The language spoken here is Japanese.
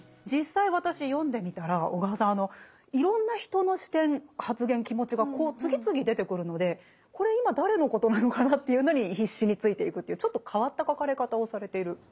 実際私読んでみたら小川さんあのいろんな人の視点発言気持ちがこう次々出てくるのでこれ今誰のことなのかなっていうのに必死についていくっていうちょっと変わった書かれ方をされている。